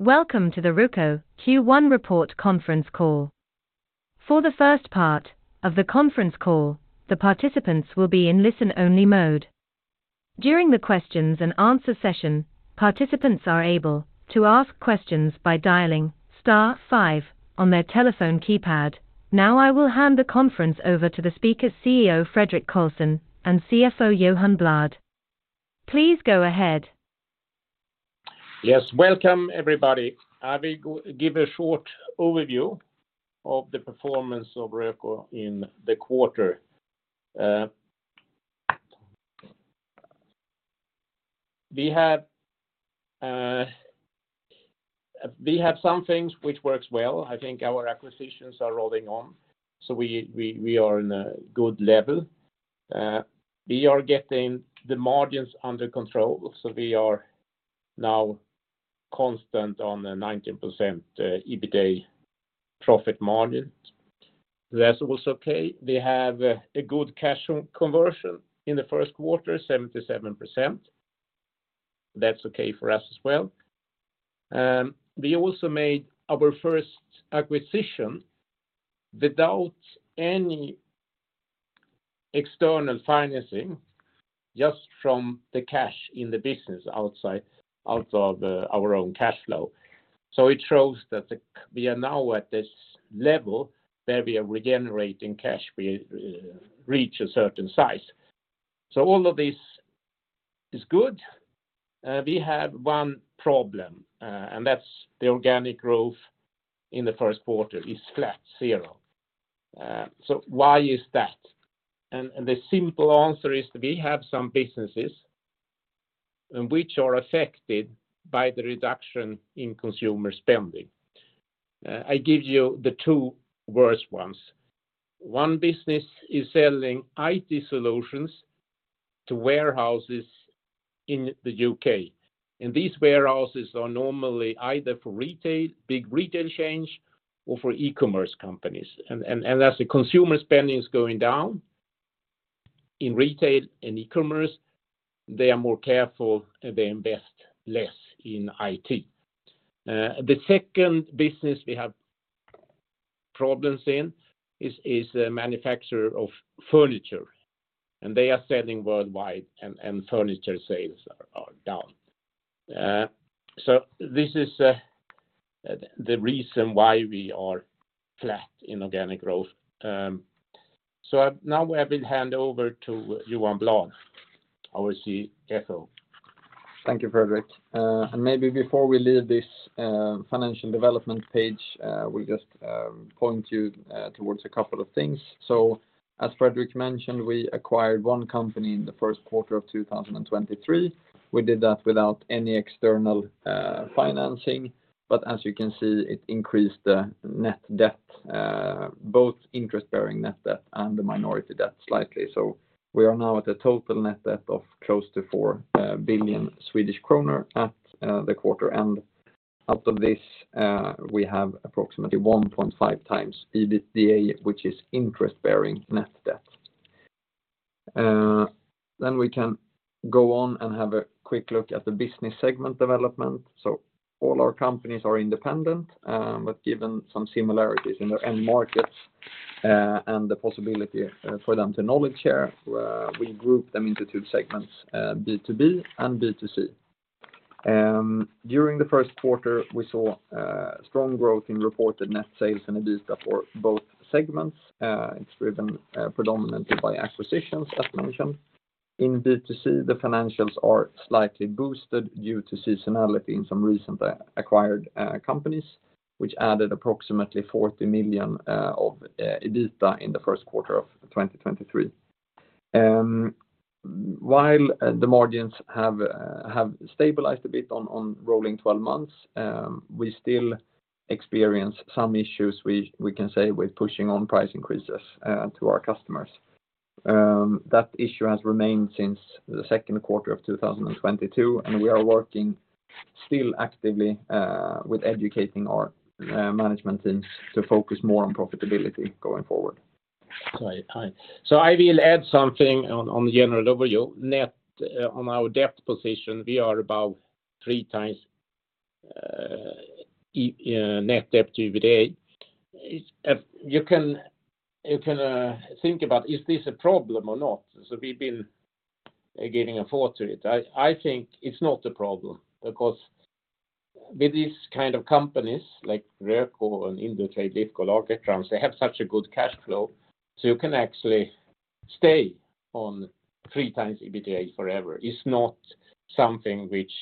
Welcome to the Röko Q1 report conference call. For the first part of the conference call, the participants will be in listen-only mode. During the questions and answer session, participants are able to ask questions by dialing star five on their telephone keypad. I will hand the conference over to the speaker, CEO Fredrik Karlsson and CFO Johan Bladh. Please go ahead. Yes. Welcome everybody. I will give a short overview of the performance of Röko in the quarter. we had some things which works well. I think our acquisitions are rolling on, so we are in a good level. we are getting the margins under control, so we are now constant on the 19% EBITDA profit margin. That was okay. We have a good cash conversion in the first quarter, 77%. That's okay for us as well. we also made our first acquisition without any external financing, just from the cash in the business out of our own cash flow. it shows that we are now at this level where we are regenerating cash, we reach a certain size. All of this is good. We have one problem, and that's the organic growth in the first quarter is flat, zero. Why is that? The simple answer is we have some businesses which are affected by the reduction in consumer spending. I give you the two worst ones. One business is selling IT solutions to warehouses in the U.K., and these warehouses are normally either for retail, big retail chains or for e-commerce companies. As the consumer spending is going down in retail and e-commerce, they are more careful, and they invest less in IT. The second business we have problems in is a manufacturer of furniture, and they are selling worldwide, and furniture sales are down. This is the reason why we are flat in organic growth. Now I will hand over to Johan Bladh, our CFO. Thank you, Fredrik. Maybe before we leave this Financial Development page, we just point you towards a couple of things. As Fredrik mentioned, we acquired one company in the first quarter of 2023. We did that without any external financing. As you can see, it increased the net debt, both interest-bearing net debt and the minority debt slightly. We are now at a total net debt of close to 4 billion Swedish kronor at the quarter. Out of this, we have approximately 1.5x EBITDA, which is interest-bearing net debt. We can go on and have a quick look at the business segment development. All our companies are independent, but given some similarities in their end markets, and the possibility for them to knowledge share, we group them into two segments, B2B and B2C. During the first quarter, we saw strong growth in reported net sales and EBITDA for both segments. It's driven predominantly by acquisitions, as mentioned. In B2C, the financials are slightly boosted due to seasonality in some recent acquired companies, which added approximately 40 million of EBITDA in the first quarter of 2023. While the margins have stabilized a bit on rolling twelve months, we still experience some issues we can say with pushing on price increases to our customers. That issue has remained since the second quarter of 2022, and we are working still actively with educating our management teams to focus more on profitability going forward. I will add something on the general level. On our debt position, we are about three times net debt to EBITDA. You can think about is this a problem or not? We've been giving a thought to it. I think it's not a problem because with these kind of companies like Röko and Indutrade, Lifco, Lagercrantz, they have such a good cash flow, so you can actually stay on three times EBITDA forever. It's not something which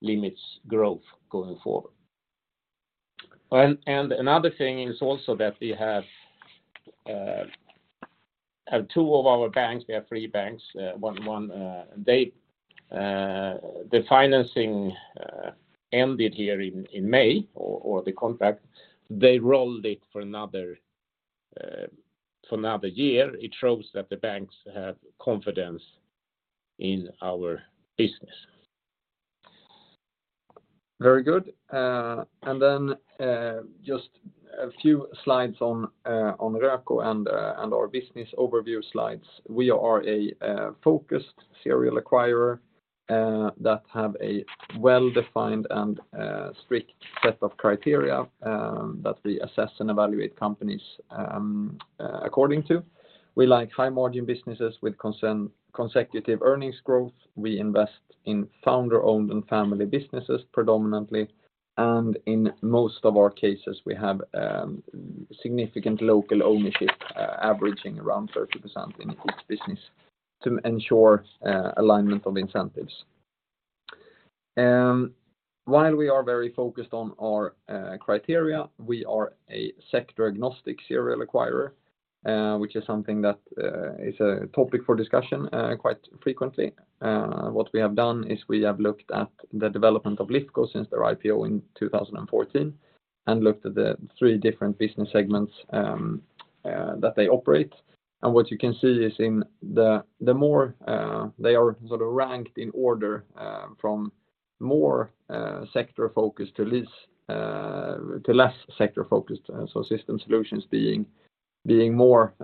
limits growth going forward. Another thing is also that we have two of our banks, we have three banks, one, they, the financing ended here in May or the contract. They rolled it for another year. It shows that the banks have confidence in our business. Very good. Then, just a few slides on Röko and our Business Overview slides. We are a focused serial acquirer that have a well-defined and strict set of criteria that we assess and evaluate companies according to. We like high margin businesses with consecutive earnings growth. We invest in founder-owned and family businesses predominantly. In most of our cases, we have significant local ownership averaging around 30% in each business to ensure alignment of incentives. While we are very focused on our criteria, we are a sector agnostic serial acquirer, which is something that is a topic for discussion quite frequently. What we have done is we have looked at the development of Lifco since their IPO in 2014 and looked at the three different business segments that they operate. What you can see is in the more they are ranked in order from more sector-focused to less sector-focused, so system solutions being more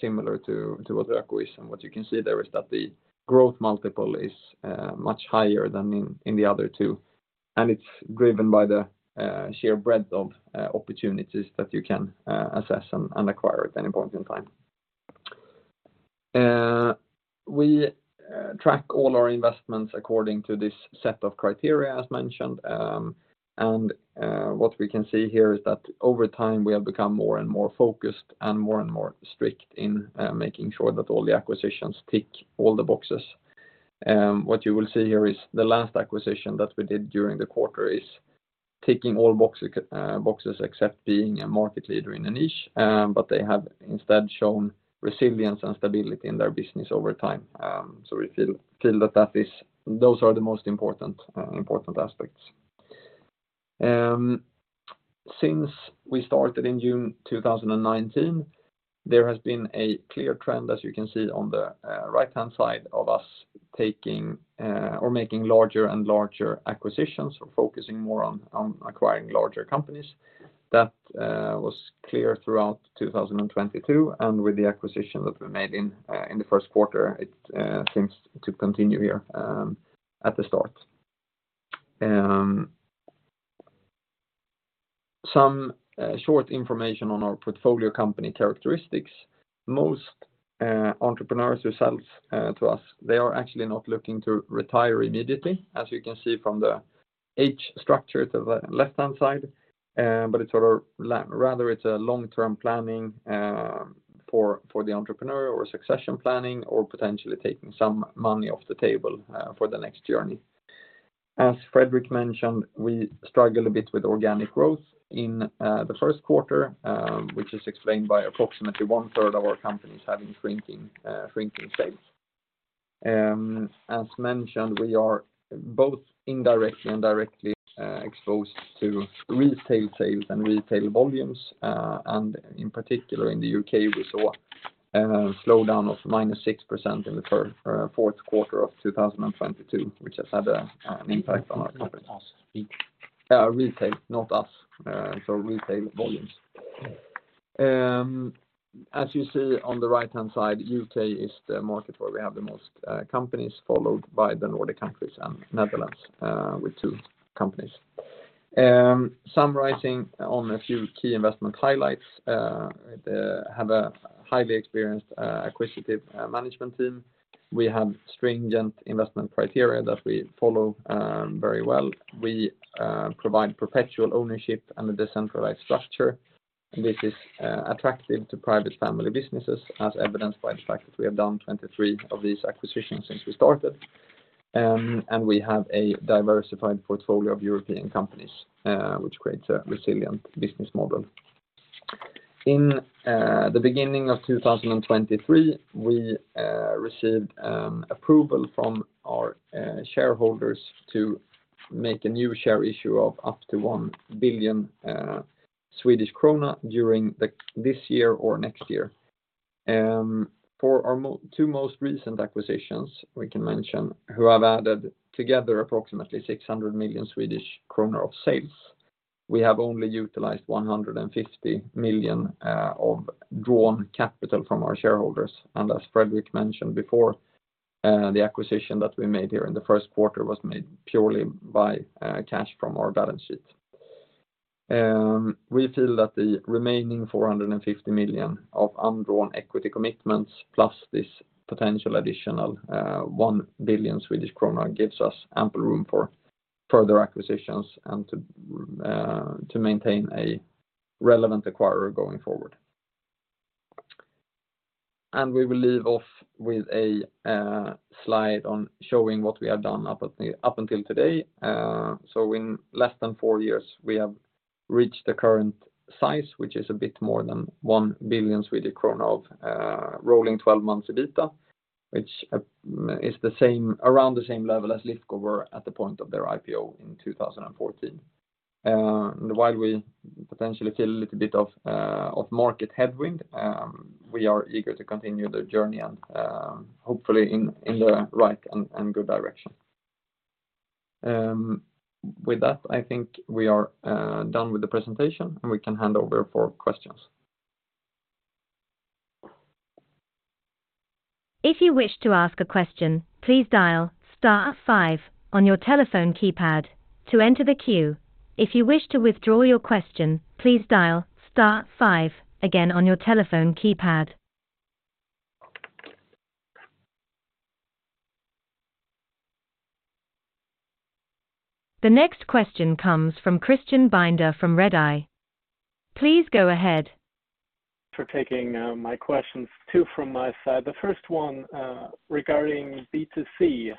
similar to what Röko is. What you can see there is that the growth multiple is much higher than in the other two, and it's driven by the sheer breadth of opportunities that you can assess and acquire at any point in time. We track all our investments according to this set of criteria, as mentioned. What we can see here is that over time, we have become more and more focused and more and more strict in making sure that all the acquisitions tick all the boxes. What you will see here is the last acquisition that we did during the quarter is ticking all boxes except being a market leader in a niche, but they have instead shown resilience and stability in their business over time. We feel that those are the most important aspects. Since we started in June 2019, there has been a clear trend, as you can see on the right-hand side of us taking or making larger and larger acquisitions or focusing more on acquiring larger companies. That was clear throughout 2022. With the acquisition that we made in the first quarter, it seems to continue here at the start. Some short information on our portfolio company characteristics. Most entrepreneurs who sell to us, they are actually not looking to retire immediately, as you can see from the age structure to the left-hand side, but rather it's a long-term planning for the entrepreneur or succession planning or potentially taking some money off the table for the next journey. As Fredrik mentioned, we struggle a bit with organic growth in the first quarter, which is explained by approximately 1/3 of our companies having shrinking sales. As mentioned, we are both indirectly and directly exposed to retail sales and retail volumes. In particular, in the U.K., we saw a slowdown of -6% in the fourth quarter of 2022, which has had an impact on our companies. Retail, not us. Retail volumes. As you see on the right-hand side, U.K. is the market where we have the most companies followed by the Nordic countries and Netherlands with two companies. Summarizing on a few key investment highlights, have a highly experienced acquisitive management team. We have stringent investment criteria that we follow very well. We provide perpetual ownership and a decentralized structure. This is attractive to private family businesses as evidenced by the fact that we have done 23 of these acquisitions since we started. We have a diversified portfolio of European companies, which creates a resilient business model. In the beginning of 2023, we received approval from our shareholders to make a new share issue of up to 1 billion Swedish krona during this year or next year. For our two most recent acquisitions, we can mention who have added together approximately 600 million Swedish kronor of sales. We have only utilized 150 million of drawn capital from our shareholders. As Fredrik mentioned before, the acquisition that we made here in the first quarter was made purely by cash from our balance sheet. We feel that the remaining 450 million of undrawn equity commitments plus this potential additional 1 billion Swedish kronor gives us ample room for further acquisitions and to maintain a relevant acquirer going forward. We will leave off with a slide on showing what we have done up until today. In less than four years, we have reached the current size, which is a bit more than 1 billion Swedish krona of rolling twelve months EBITDA, which is around the same level as Lifco were at the point of their IPO in 2014. While we potentially feel a little bit of market headwind, we are eager to continue the journey and hopefully in the right and good direction. With that, I think we are done with the presentation, and we can hand over for questions. If you wish to ask a question, please dial star five on your telephone keypad to enter the queue. If you wish to withdraw your question, please dial star five again on your telephone keypad. The next question comes from Christian Binder from Redeye. Please go ahead. For taking my questions. Two from my side. The first one regarding B2C.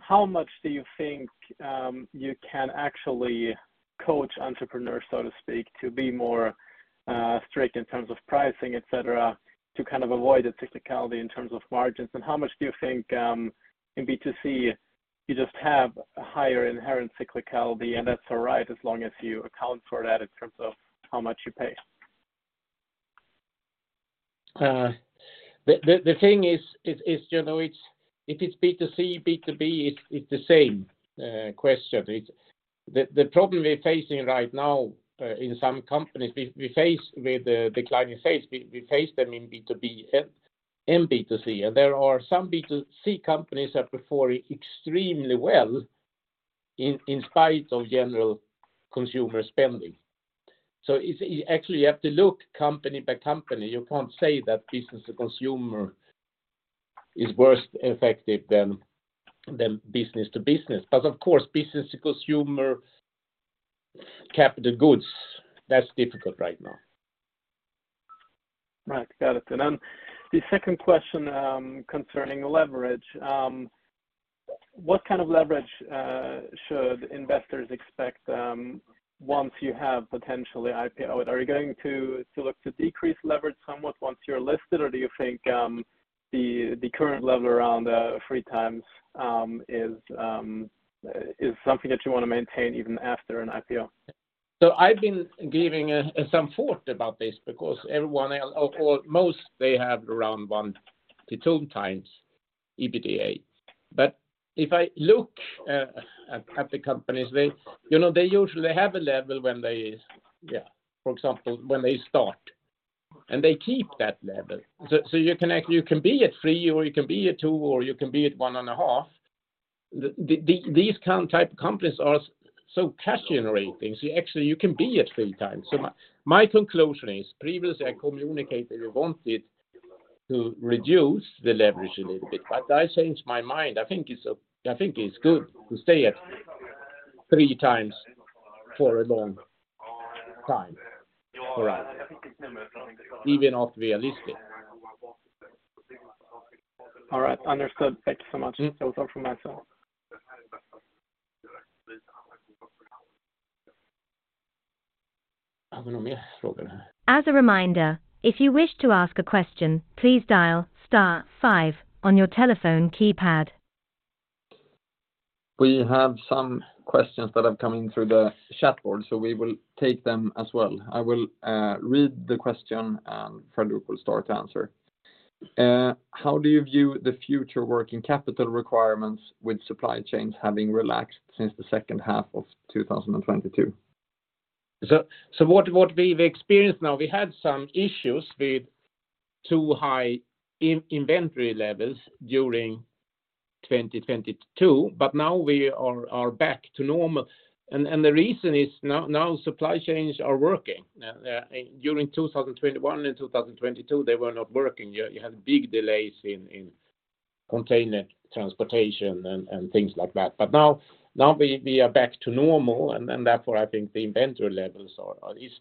How much do you think you can actually coach entrepreneurs, so to speak, to be more strict in terms of pricing, et cetera, to kind of avoid the cyclicality in terms of margins? How much do you think in B2C you just have a higher inherent cyclicality, and that's all right as long as you account for that in terms of how much you pay? The thing is, you know, it's, if it's B2C, B2B, it's the same question. The problem we're facing right now, in some companies, we face with the declining sales, we face them in B2B and B2C. There are some B2C companies that perform extremely well in spite of general consumer spending. It's, actually you have to look company by company. You can't say that business to consumer is worse affected than business to business. Of course, business to consumer capital goods, that's difficult right now. Right. Got it. The second question, concerning leverage. What kind of leverage should investors expect, once you have potentially IPO? Are you going to look to decrease leverage somewhat once you're listed, or do you think the current level around three times, is something that you wanna maintain even after an IPO? I've been giving some thought about this because everyone, or most, they have around one to two times EBITDA. If I look at the companies, they, you know, they usually have a level when they, for example, when they start, and they keep that level. You can be at three, or you can be at two, or you can be at 1.5. These kind of type of companies are so cash generating, so actually you can be at three times. My conclusion is previously I communicated we wanted to reduce the leverage a little bit, but I changed my mind. I think it's, I think it's good to stay at three times for a long time around, even after we are listed. All right. Understood. Thank you so much. Mm-hmm. That was all from my side. As a reminder, if you wish to ask a question, please dial star five on your telephone keypad. We have some questions that have come in through the chat board, so we will take them as well. I will read the question, and Fredrik Karlsson will start to answer. How do you view the future working capital requirements with supply chains having relaxed since the second half of 2022? What we've experienced now, we had some issues with too high in-inventory levels during 2022, but now we are back to normal. The reason is now supply chains are working. Now, during 2021 and 2022, they were not working. You had big delays in container transportation and things like that. Now we are back to normal, and therefore I think the inventory levels are. It's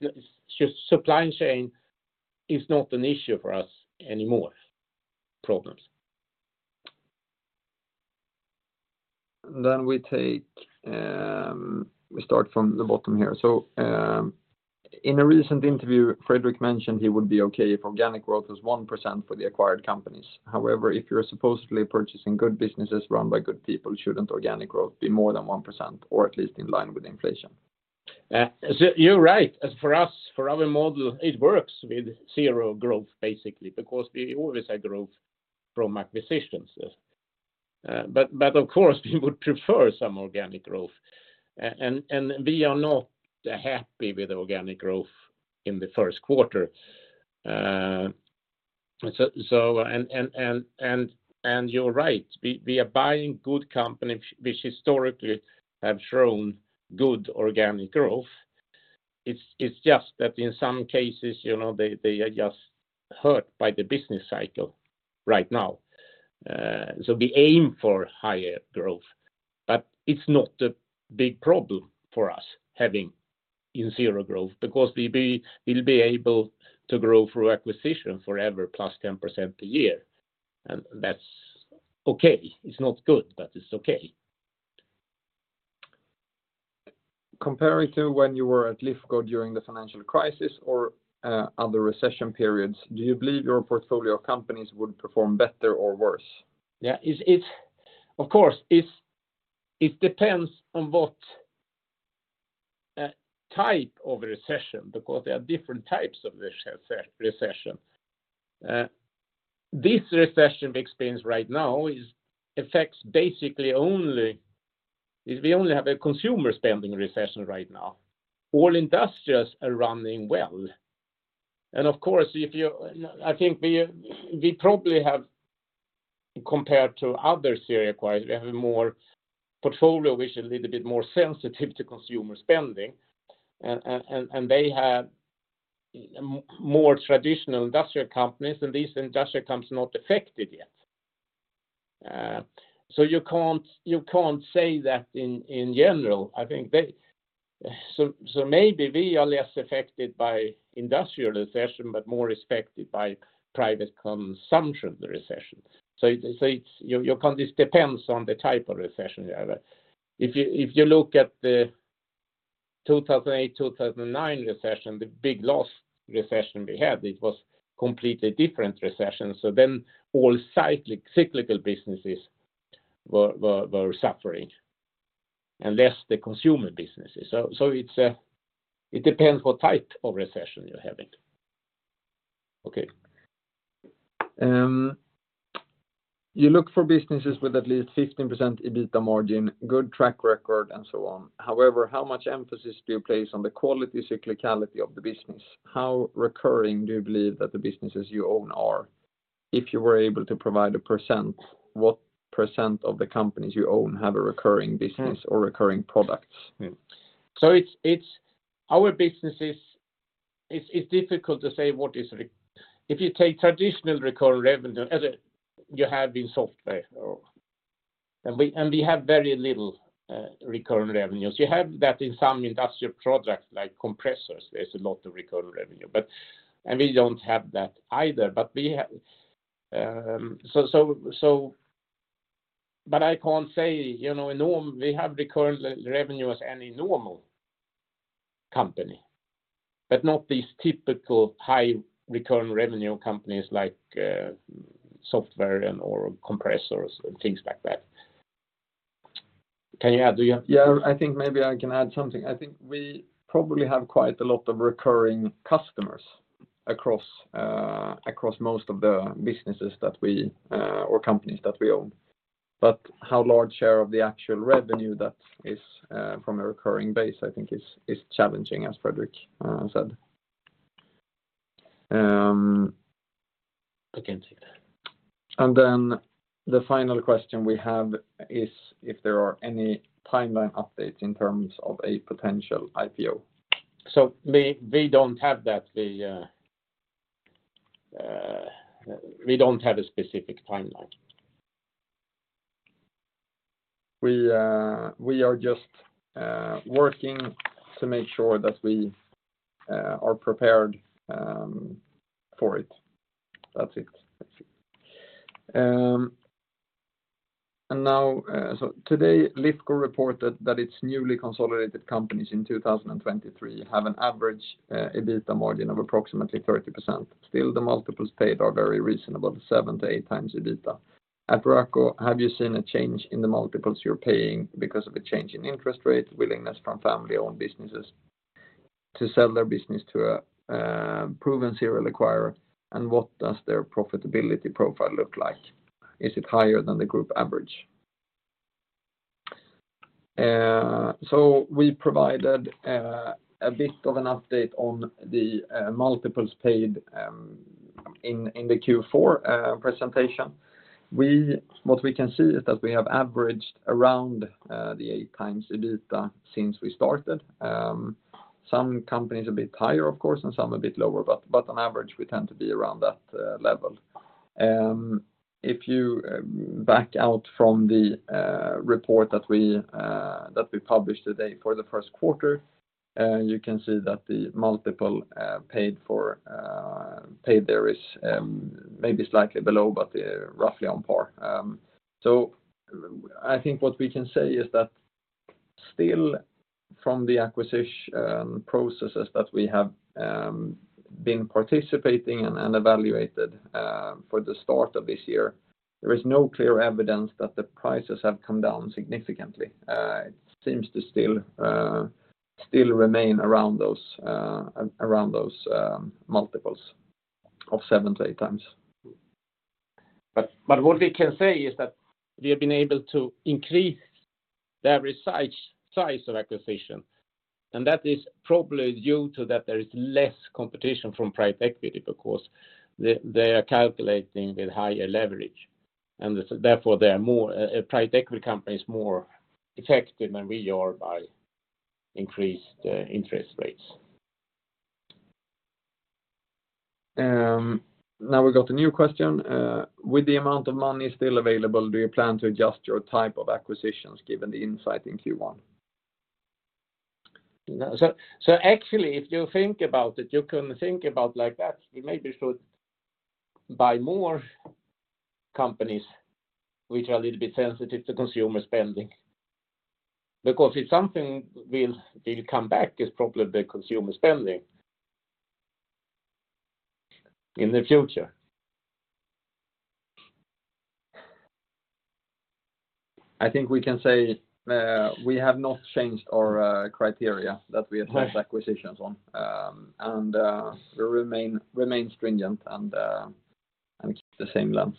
just supply chain is not an issue for us anymore. Problems. We start from the bottom here. In a recent interview, Fredrik mentioned he would be okay if organic growth was 1% for the acquired companies. However, if you're supposedly purchasing good businesses run by good people, shouldn't organic growth be more than 1%, or at least in line with inflation? You're right. As for us, for our model, it works with zero growth, basically. Because we always have growth from acquisitions. Of course, we would prefer some organic growth. We are not happy with organic growth in the first quarter. You're right. We are buying good companies which historically have shown good organic growth. It's just that in some cases, you know, they are just hurt by the business cycle right now. We aim for higher growth. It's not a big problem for us having in zero growth because we'll be able to grow through acquisition forever, plus 10% a year. That's okay. It's not good, but it's okay. Compared to when you were at Lifco during the financial crisis or other recession periods, do you believe your portfolio of companies would perform better or worse? Yeah. It's. Of course, it depends on what type of recession because there are different types of recession. This recession we experience right now we only have a consumer spending recession right now. All industrials are running well. Of course, I think we probably have compared to other serial acquirers, we have a more portfolio which is a little bit more sensitive to consumer spending. They have more traditional industrial companies, these industrial companies are not affected yet. You can't say that in general. I think they. Maybe we are less affected by industrial recession, but more affected by private consumption recession. This depends on the type of recession you have. If you look at the 2008, 2009 recession, the big loss recession we had, it was completely different recession. Then all cyclical businesses were suffering and less the consumer businesses. It depends what type of recession you're having. Okay. You look for businesses with at least 15% EBITDA margin, good track record, and so on. How much emphasis do you place on the quality cyclicality of the business? How recurring do you believe that the businesses you own are? If you were able to provide a percent, what percent of the companies you own have a recurring business or recurring products? It's our businesses, it's difficult to say what is. If you take traditional recurring revenue as a. You have in software or. We have very little recurring revenues. You have that in some industrial products like compressors. There's a lot of recurring revenue. We don't have that either. We have. I can't say, you know. We have recurring revenue as any normal company, but not these typical high recurring revenue companies like software and or compressors and things like that. Can you add? Do you have? Yeah, I think maybe I can add something. I think we probably have quite a lot of recurring customers across most of the businesses that we, or companies that we own. How large share of the actual revenue that is, from a recurring base, I think is challenging, as Fredrik said. I can see that. The final question we have is if there are any timeline updates in terms of a potential IPO. We don't have that. We don't have a specific timeline. We, we are just working to make sure that we are prepared for it. That's it. That's it. Today, Lifco reported that its newly consolidated companies in 2023 have an average EBITDA margin of approximately 30%. Still, the multiples paid are very reasonable, seven to eight times EBITDA. At Röko, have you seen a change in the multiples you're paying because of a change in interest rates, willingness from family-owned businesses to sell their business to a proven serial acquirer? What does their profitability profile look like? Is it higher than the group average? We provided a bit of an update on the multiples paid in the Q4 presentation. What we can see is that we have averaged around the eight times EBITDA since we started. Some companies a bit higher, of course, and some a bit lower, but on average, we tend to be around that level. If you back out from the report that we published today for the first quarter, you can see that the multiple paid for paid there is maybe slightly below, but roughly on par. I think what we can say is that still from the acquisition processes that we have been participating and evaluated for the start of this year, there is no clear evidence that the prices have come down significantly. It seems to still remain around those around those multiples of seven to eight times. What we can say is that we have been able to increase the average size of acquisition, and that is probably due to that there is less competition from private equity because they are calculating with higher leverage, and therefore, they are more, private equity companies more affected than we are by increased interest rates. Now we got a new question. With the amount of money still available, do you plan to adjust your type of acquisitions given the insight in Q1? Actually if you think about it, you can think about like that. We maybe should buy more companies which are a little bit sensitive to consumer spending because if something will come back, it's probably the consumer spending in the future. I think we can say, we have not changed our criteria that we assess acquisitions on. We remain stringent and keep the same lens.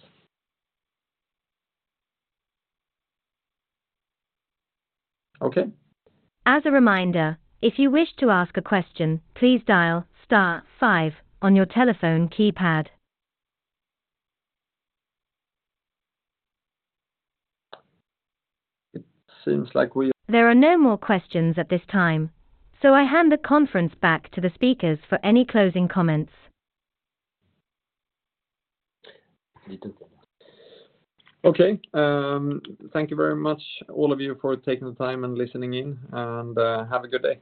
Okay. As a reminder, if you wish to ask a question, please dial star five on your telephone keypad. It seems like. There are no more questions at this time, so I hand the conference back to the speakers for any closing comments. Okay. Thank you very much all of you for taking the time and listening in, and have a good day.